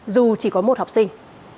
dù chỉ có một học sinh